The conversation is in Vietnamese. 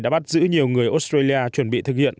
đã bắt giữ nhiều người australia chuẩn bị thực hiện